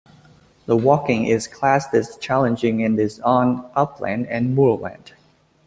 The walking is classed as challenging and is on upland and moorland.